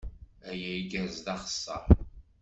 Aya igerrez d axeṣṣar.